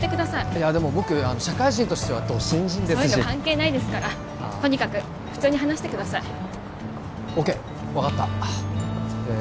いやでも僕社会人としてはド新人ですしそういうの関係ないですからとにかく普通に話してくださいＯＫ分かったえ